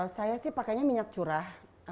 saya sih pakainya minyak curah